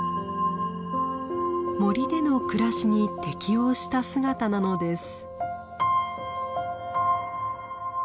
森での暮らしに適応した姿なのです。